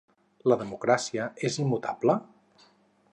La democràcia és immutable?